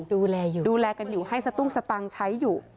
ดูแลอยู่ดูแลกันอยู่ให้สตุ้งสตังค์ใช้อยู่